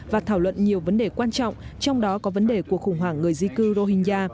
và thảo luận nhiều vấn đề quan trọng trong đó có vấn đề cuộc khủng hoảng người di cư rohingya